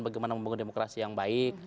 bagaimana membangun demokrasi yang baik